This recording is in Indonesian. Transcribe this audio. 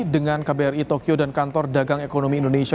dengan kbri tokyo dan kantor dagang ekonomi indonesia